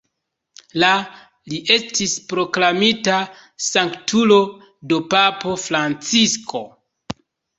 La li estis proklamita sanktulo de papo Francisko.